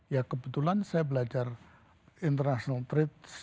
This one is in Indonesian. ya kebetulan saya belajar international trade